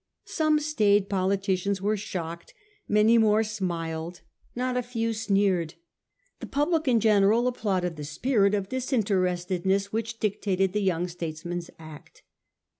Some staid poli ticians were shocked, many more smiled, not a few sneered. The public in general applauded the spirit of disinterestedness which dictated the young states man's act.